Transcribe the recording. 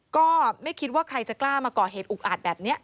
ก็ไม่คิดว่าใครจะกล้ามาก่อเหตุอุกอาจแบบนี้